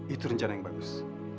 itu rencana yang bagus